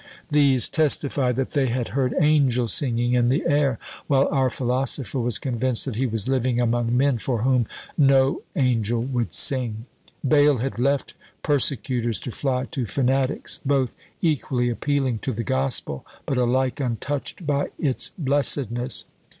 These testify that they had heard angels singing in the air, while our philosopher was convinced that he was living among men for whom no angel would sing! Bayle had left persecutors to fly to fanatics, both equally appealing to the Gospel, but alike untouched by its blessedness!